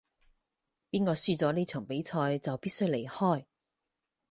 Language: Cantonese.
邊個輸咗呢場比賽就必須離開